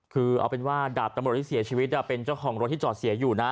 คือเอาเป็นว่าดาบตำรวจที่เสียชีวิตเป็นเจ้าของรถที่จอดเสียอยู่นะ